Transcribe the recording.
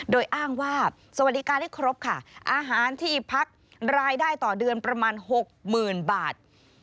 โดยอ้างว่าสวัสดิการให้ครบค่ะอาหารที่พักรายได้ต่อเดือนประมาณ๖๐๐๐บาท